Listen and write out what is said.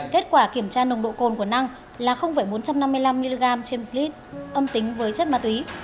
kết quả kiểm tra nồng độ cồn của năng là bốn trăm năm mươi năm mg trên một lít âm tính với chất ma túy